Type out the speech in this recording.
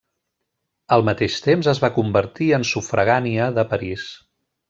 Al mateix temps es va convertir en sufragània de París.